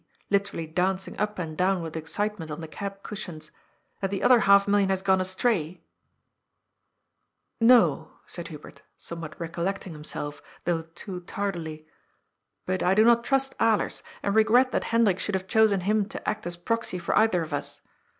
literally danc ing up and down with excitement on the cab cushions, *^ that the other half million has gone astiyy ?" ^^No," said Hubert, somewhat recollecting himself, though too tardily. ^^ But I do not trust Alers, and regret that Hendrik should have chosen him to act as proxy for either of us.